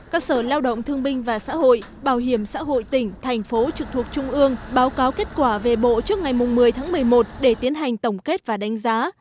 các sở lao động thương binh và xã hội bảo hiểm xã hội tỉnh thành phố trực thuộc trung ương báo cáo kết quả về bộ trước ngày một mươi tháng một mươi một để tiến hành tổng kết và đánh giá